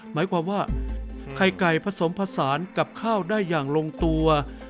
หมายความว่าไข่ไก่ผสมผสานกับข้าวได้อย่างลงตัว